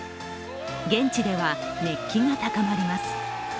現地では熱気が高まります。